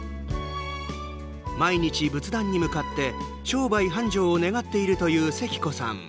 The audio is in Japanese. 毎日仏壇に向かって商売繁盛を願っているというせき子さん。